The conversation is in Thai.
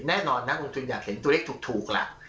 แน่นอนนักลงทุนอยากเห็นตัวเลขถูกล่ะ